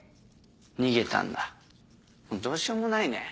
逃げたんだどうしようもないね。